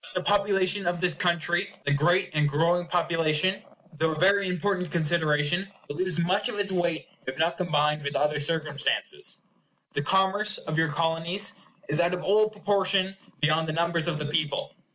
But the population of this country, the great and growing population, though a very important consideration, will lose much of its weight if not combined with other circumstances. The commerce of your Colonies is out of all proportion beyond the numbers of the people.